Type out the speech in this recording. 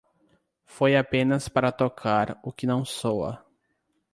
Foi apenas para tocar o que não soa.